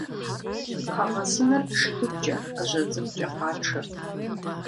Пхъэгъэсыныр шыдыгукӀэ, Ӏэжьэ цӀыкӀукӀэ къатшэрт.